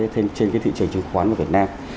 trên cái thị trường chứng khoán của việt nam